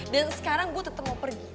dan sekarang gue tetep mau pergi